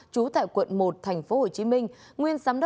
trú tại quận một tp hcm